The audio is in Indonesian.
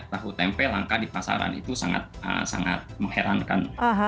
tahu tempe langka di pasaran itu sangat mengherankan